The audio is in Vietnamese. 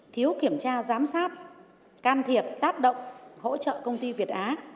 thiếu kiểm tra giám sát can thiệp tác động hỗ trợ công ty việt á